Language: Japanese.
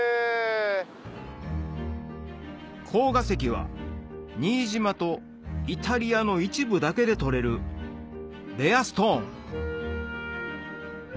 は新島とイタリアの一部だけで取れるレアストーン